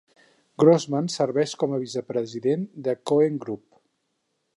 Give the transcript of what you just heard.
Grossman serveix com a vice-president del Cohen Group.